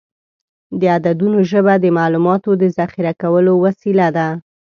د عددونو ژبه د معلوماتو د ذخیره کولو وسیله ده.